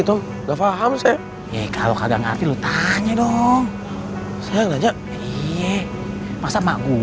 tuh udah paham saya kalau kagak ngerti lu tanya dong saya nanya iya masa maku